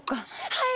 はい！